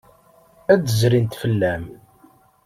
Ad d-zrint fell-am.